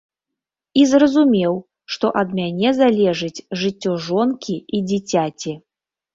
І зразумеў, што ад мяне залежыць жыццё жонкі і дзіцяці.